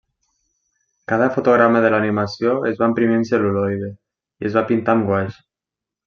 Cada fotograma de l'animació es va imprimir en cel·luloide i es va pintar amb guaix.